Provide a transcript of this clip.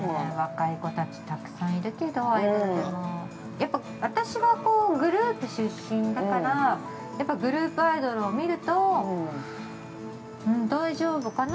◆やっぱ私はグループ出身だからグループアイドルを見ると大丈夫かな？